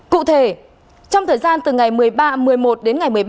cụ thể trong thời gian từ ngày một mươi ba một mươi một đến ngày một mươi ba